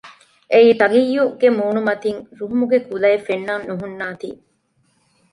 އެއީ ތަގިއްޔުގެ މޫނުމަތިން ރުހުމުގެ ކުލައެއް ފެންނަން ނުހުންނާތީ